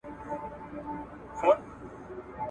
لا په عقل وو تر نورو هم ښاغلی !.